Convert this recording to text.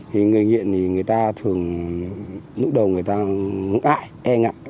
thì người nghiện thì người ta thường lúc đầu người ta ngụm ại e ngại